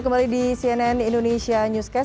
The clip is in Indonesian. kembali di cnn indonesia newscast